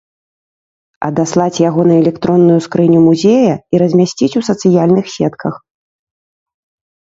Адаслаць яго на электронную скрыню музея і размясціць у сацыяльных сетках.